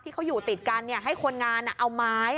ที่เขาอยู่ติดกันให้คนงานเอาไม้